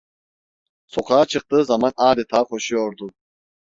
Sokağa çıktığı zaman adeta koşuyordu.